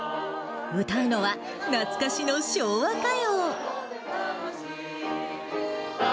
歌うのは、懐かしの昭和歌謡。